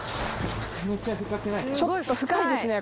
ちょっと深いですね